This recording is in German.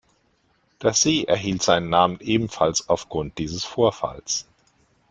Der See erhielt seinen Namen ebenfalls aufgrund dieses Vorfalls.